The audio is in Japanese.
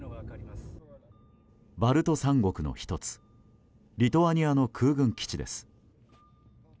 バルト三国の１つリトアニアの空軍基地です。